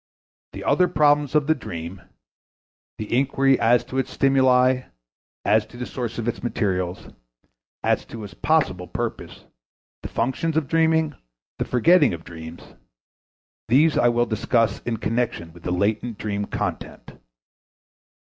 The other problems of the dream the inquiry as to its stimuli, as to the source of its materials, as to its possible purpose, the function of dreaming, the forgetting of dreams these I will discuss in connection with the latent dream content.